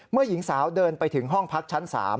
หญิงสาวเดินไปถึงห้องพักชั้น๓